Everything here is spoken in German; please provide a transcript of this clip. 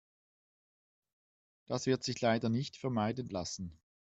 Das wird sich leider nicht vermeiden lassen.